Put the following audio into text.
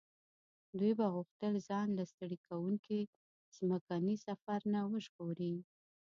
دوی به غوښتل ځان له ستړي کوونکي ځمکني سفر نه وژغوري.